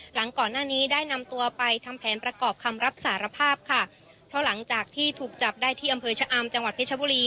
หลังก่อนหน้านี้ได้นำตัวไปทำแผนประกอบคำรับสารภาพค่ะเพราะหลังจากที่ถูกจับได้ที่อำเภอชะอำจังหวัดเพชรบุรี